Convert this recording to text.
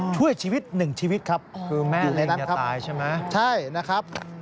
ช่วยชีวิตหนึ่งชีวิตครับ